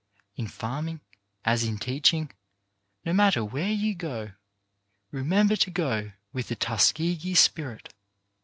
In farming, as in teaching, no matter where you go, remember to go with the " Tuskegee spirit.